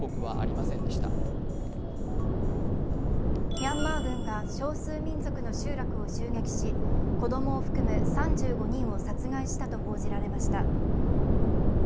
ミャンマー軍が少数民族の集落を襲撃し子供を含む３５人を殺害したと報じられました。